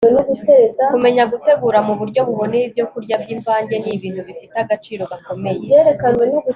kumenya gutegura mu buryo buboneye ibyokurya by'imvange ni ibintu bifite agaciro gakomeye